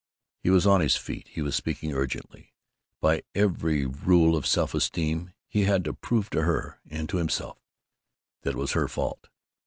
He was on his feet. He was speaking urgently. By every rule of self esteem, he had to prove to her, and to himself, that it was her fault.